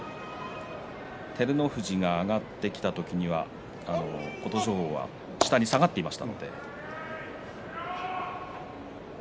照ノ富士が上がってきた時には琴勝峰は下に下がっていました。